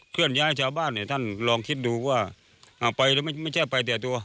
เคลื่อนย้ายชาวบ้านเนี่ยท่านลองคิดดูว่าไปแล้วไม่ใช่ไปแต่ตัว